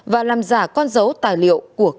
và làm giả con dấu tài liệu của cơ quan tổ chức